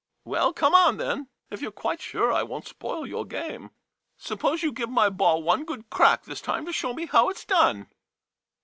Well — come on, then, if you 're quite sure I won't spoil your game. Suppose you give my ball one good crack this time to show me how it 's done.